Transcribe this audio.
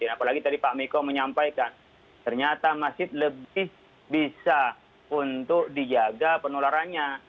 apalagi tadi pak miko menyampaikan ternyata masjid lebih bisa untuk dijaga penularannya